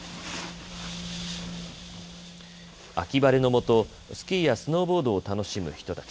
秋晴れの下、スキーやスノーボードを楽しむ人たち。